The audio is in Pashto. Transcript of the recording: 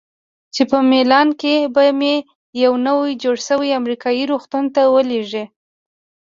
چې په میلان کې به مې یوه نوي جوړ شوي امریکایي روغتون ته ولیږي.